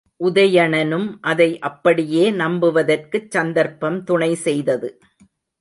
உதயணனும் அதை அப்படியே நம்புவதற்குச் சந்தர்ப்பம் துணை செய்தது.